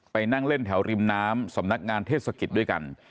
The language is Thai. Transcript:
นั่งเล่นแถวริมน้ำสำนักงานเทศกิจด้วยกัน